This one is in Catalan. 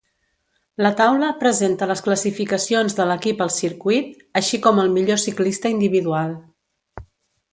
La taula presenta les classificacions de l'equip al circuit, així com el millor ciclista individual.